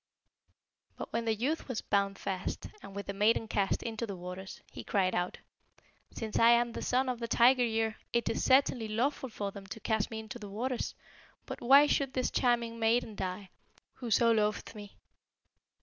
"And when the youth was bound fast, and with the maiden cast into the waters, he cried out, 'Since I am the Son of the Tiger year, it is certainly lawful for them to cast me into the waters; but why should this charming maiden die, who so loveth me?'